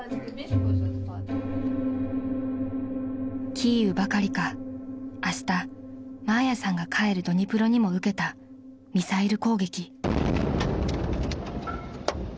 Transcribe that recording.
［キーウばかりかあしたマーヤさんが帰るドニプロにも受けたミサイル攻撃］